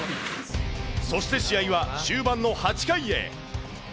そして試合は終盤の８回へ。